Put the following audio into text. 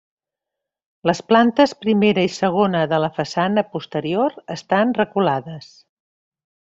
Les plantes primera i segona de la façana posterior estan reculades.